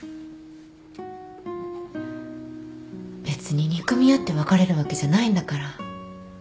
別に憎み合って別れるわけじゃないんだから